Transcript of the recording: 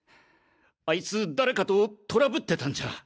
あいつ誰かとトラブってたんじゃ。